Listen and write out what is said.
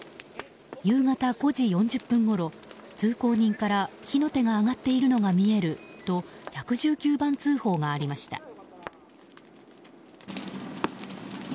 夕方５時４０分ごろ、通行人から火の手が上がっているのが見えると１１９番通報がありました。